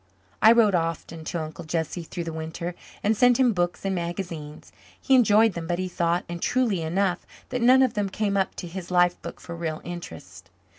I wrote often to Uncle Jesse through the winter and sent him books and magazines. He enjoyed them but he thought and truly enough that none of them came up to his life book for real interest.